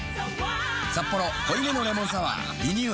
「サッポロ濃いめのレモンサワー」リニューアル